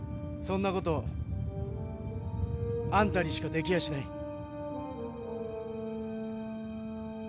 そんな事あんたにしかできやしない。